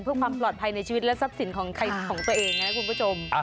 เพื่อความปลอดภัยในชีวิตและทรัพย์สินของตัวเองนะคุณผู้ชม